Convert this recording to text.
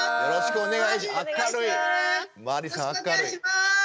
よろしくお願いします